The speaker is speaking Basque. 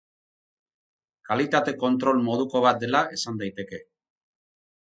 Kalitate-kontrol moduko bat dela esan daiteke.